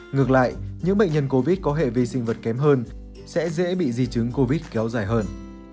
ngược lại những bệnh nhân covid có hệ vi sinh vật kém hơn sẽ dễ bị di chứng covid kéo dài hơn